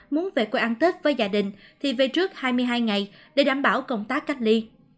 muốn về quê ăn tết với gia đình thì về trước hai mươi hai ngày để đảm bảo công tác cách ly